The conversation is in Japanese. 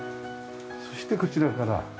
そしてこちらから。